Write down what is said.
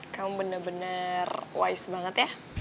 kamu bener bener wise banget ya